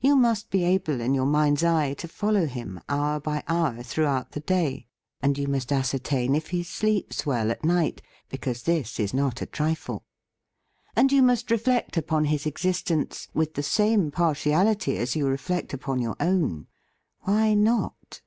You must be able in your mind's eye to follow him hour by hour throughout the day, and you must ascertain if he sleeps well at night — because this is not a trifle. And you must reflect upon his existence with the same partiality as you reflect upon your own. (Why not?)